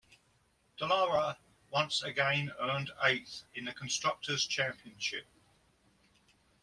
Dallara once again earned eighth in the Constructors' Championship.